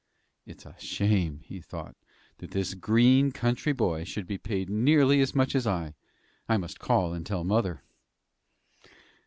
"It's a shame," he thought, "that this green, country boy should be paid nearly as much as I I must call and tell mother."